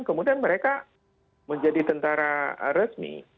kemudian mereka menjadi tentara resmi